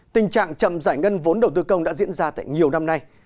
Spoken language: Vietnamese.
tình trạng chậm giải ngân vốn đầu tư công đã diễn ra tại nhiều năm nay